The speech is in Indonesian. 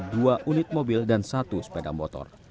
dua unit mobil dan satu sepeda motor